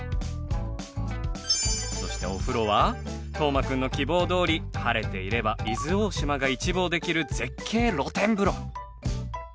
そしてお風呂は斗真くんの希望どおり晴れていれば伊豆大島が一望できる絶景露天風呂。